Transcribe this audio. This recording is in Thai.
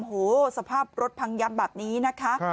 โอ้โหสภาพรถพังยับแบบนี้นะคะ